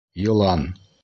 Йылан!